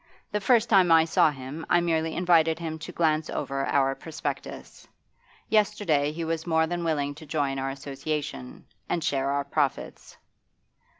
The first time I saw him, I merely invited him to glance over our prospectus; yesterday he was more than willing to join our association and share our profits.